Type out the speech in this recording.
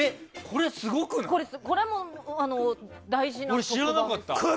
これも大事な番組。